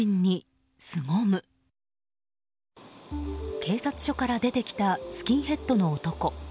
警察署から出てきたスキンヘッドの男。